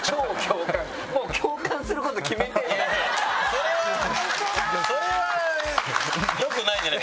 それはそれは良くないじゃないですか。